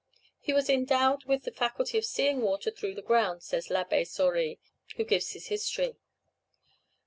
He was endowed with the faculty of seeing water through the ground, says l'Abbé Sauri, who gives his history.